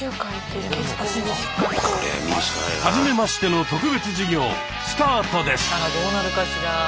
「はじめましての特別授業」スタートです！